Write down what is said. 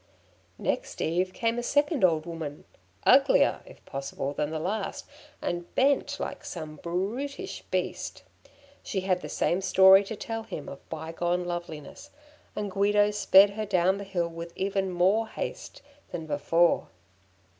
Next eve came a second old woman, uglier, if possible, than the last, and bent like some brutish beast. She had the same story to tell him of bygone loveliness, and Guido sped her down the hill with even more haste than before.